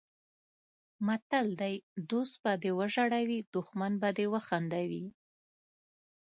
متل دی: دوست به دې وژړوي دښمن به دې وخندوي.